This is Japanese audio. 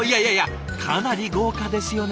かなり豪華ですよね。